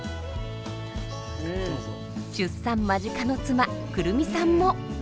出産間近の妻胡桃さんも。